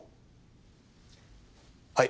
はい。